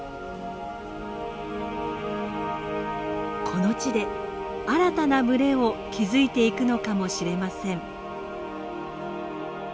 この地で新たな群れを築いていくのかもしれません。